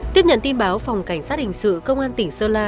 tiếp nhận tin báo phòng cảnh sát hình sự công an tỉnh sơn la